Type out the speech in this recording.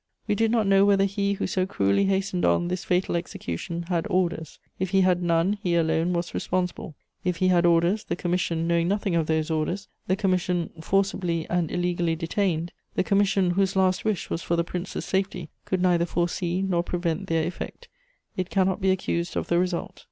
"We did not know whether he who so cruelly hastened on this fatal execution _had orders: if he had none, he alone was responsible; if he had orders, the commission, knowing nothing of those orders, the commission, forcibly and illegally detained_, the commission, whose last wish was for the Prince's safety, could neither foresee nor prevent their effect. It cannot be accused of the result.